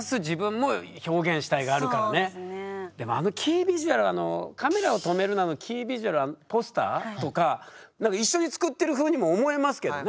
でもあのキービジュアル「カメラを止めるな！」のキービジュアルあのポスターとか一緒に作ってるふうにも思えますけどね。